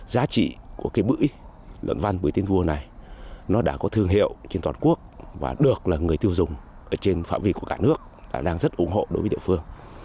giá trị của bưởi luận văn với tên vua này đã có thương hiệu trên toàn quốc và được người tiêu dùng trên phạm vị của cả nước đang rất ủng hộ đối với địa phương